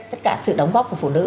tất cả sự đóng góp của phụ nữ